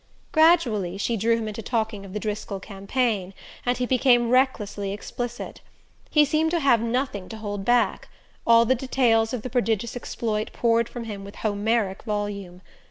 Gradually she drew him into talking of the Driscoll campaign, and he became recklessly explicit. He seemed to have nothing to hold back: all the details of the prodigious exploit poured from him with Homeric volume.